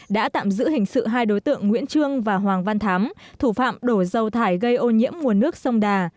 đã tạm giữ hình sự hai đối tượng nguyễn trương và hoàng văn thám thủ phạm đổ dầu thải gây ô nhiễm nguồn nước sông đà